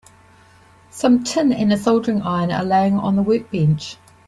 Some tin and a soldering iron are laying on the workbench.